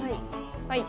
はい。